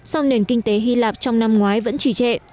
song nền kinh tế hy lạp trong năm ngoái vẫn trì trệ